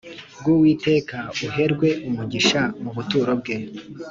bw Uwiteka buherwe umugisha mu buturo bwe